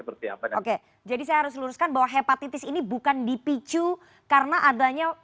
persiapan oke jadi saya harus luruskan bahwa hepatitis ini bukan dipicu karena adanya